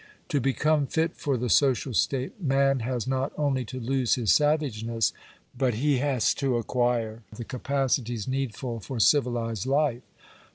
To become fit for the social state, man has not only to lose his savageness, but he has to acquire the capacities needful for civilized life.